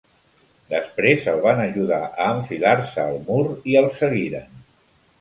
Després el van ajudar a enfilar-se al mur i el seguiren.